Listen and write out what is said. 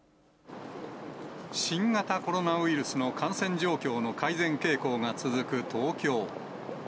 新型コロナウイルスの感染状況の改善傾向が続く東京。